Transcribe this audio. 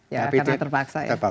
ya kena terpaksa ya